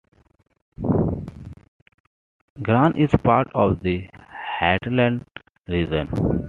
Gran is part of the Hadeland region.